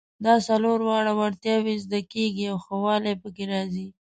دا څلور واړه وړتیاوې زده کیږي او ښه والی پکې راځي.